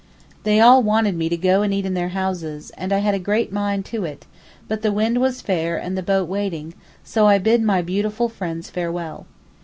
They all wanted me to go and eat in their houses, and I had a great mind to it, but the wind was fair and the boat waiting, so I bid my beautiful friends farewell.